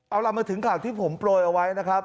เอาล่ะมาถึงข่าวที่ผมโปรยเอาไว้นะครับ